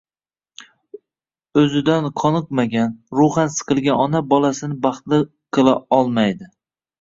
O‘zidan qoniqmagan, ruhan siqilgan ona bolasini baxtli qila olmaydi.